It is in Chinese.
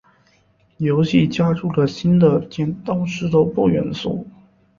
游戏加入了新的石头剪刀布元素。